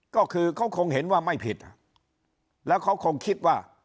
ก็คือเขาคงเห็นว่าไม่ผิดแล้วเขาคงคิดว่า